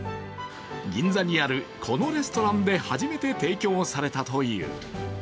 銀座にあるこのレストランで初めて提供されたという。